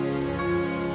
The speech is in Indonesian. perajurit kandang mesi